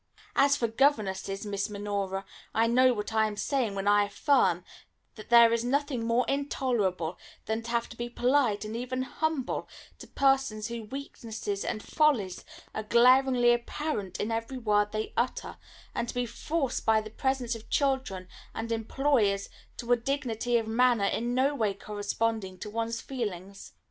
As for governesses, Miss Minora, I know what I am saying when I affirm that there is nothing more intolerable than to have to be polite, and even humble, to persons whose weaknesses and follies are glaringly apparent in every word they utter, and to be forced by the presence of children and employers to a dignity of manner in no way corresponding to one's feelings.